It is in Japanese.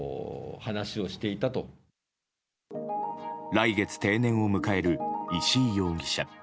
来月定年を迎える石井容疑者。